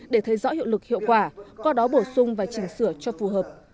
để thấy rõ hiệu lực hiệu quả qua đó bổ sung và chỉnh sửa cho phù hợp